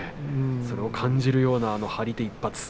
それを感じさせる張り手一発。